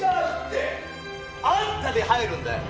「あんた」で入るんだよ。